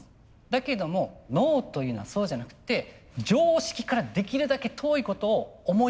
だけども脳というのはそうじゃなくて常識からできるだけ遠いことを思いつけるんです。